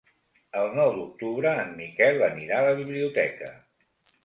El nou d'octubre en Miquel anirà a la biblioteca.